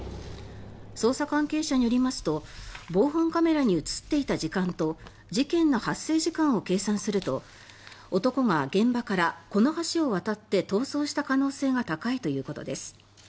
捜査関係者によりますと防犯カメラに映っていた時間と事件の発生時間を計算すると男が現場からこの橋を渡って逃走した可能性が高いということです。